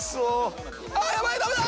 あっやばいダメだ！